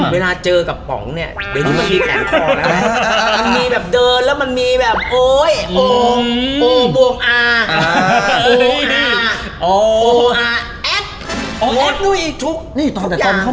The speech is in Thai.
เวลาเจอกับป๋องเนี่ยเดี๋ยวทุกคนพี่แขนคอแล้ว